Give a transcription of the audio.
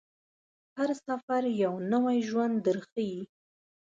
هر سفر یو نوی ژوند درښيي.